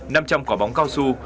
nằm trong cỏ bóng cao su